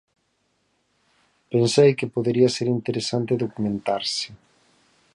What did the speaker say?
Pensei que podería ser interesante documentarse.